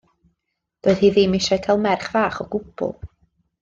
Doedd hi ddim eisiau cael merch fach o gwbl.